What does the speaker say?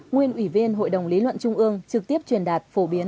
nguyên ủy viên hội đồng lý luận trung ương trực tiếp truyền đạt phổ biến